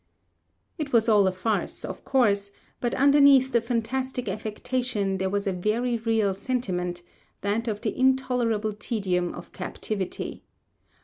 It was all a farce, of course, but underneath the fantastic affectation there was a very real sentiment, that of the intolerable tedium of captivity.